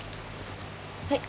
はい。